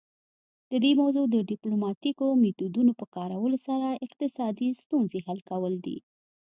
د دې موضوع د ډیپلوماتیکو میتودونو په کارولو سره اقتصادي ستونزې حل کول دي